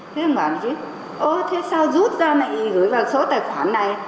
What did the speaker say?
thế ông bảo chứ ơ thế sao rút ra này gửi vào số tài khoản này